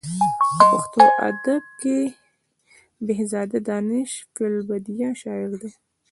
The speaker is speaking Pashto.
په پښتو ادب کې بخزاده دانش فې البدیه شاعر دی.